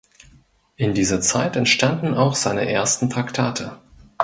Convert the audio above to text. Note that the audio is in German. In dieser Zeit entstanden auch seine ersten Traktate.